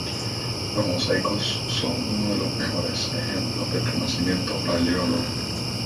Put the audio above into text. Los mosaicos son uno de los mejores ejemplos del Renacimiento Paleólogo.